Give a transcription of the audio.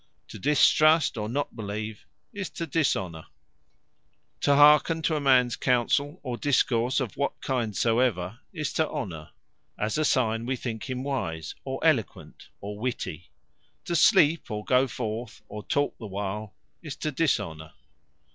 To distrust, or not believe, is to Dishonour. To hearken to a mans counsell, or discourse of what kind soever, is to Honour; as a signe we think him wise, or eloquent, or witty. To sleep, or go forth, or talk the while, is to Dishonour.